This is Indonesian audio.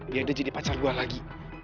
biar dia jadi pacar gua lagi